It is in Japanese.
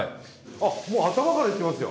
あもう頭からいってますよ。